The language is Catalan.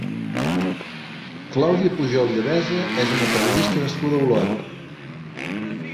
Clàudia Pujol i Devesa és una periodista nascuda a Olot.